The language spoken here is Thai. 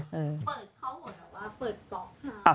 เปิดเขาหมด